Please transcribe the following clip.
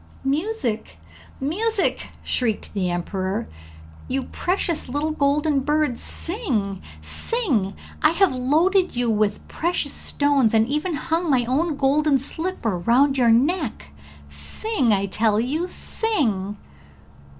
'Music, music!' shrieked the emperor. 'You precious little golden bird, sing, sing! I have loaded you with precious stones, and even hung my own golden slipper round your neck; sing, I tell you, sing!'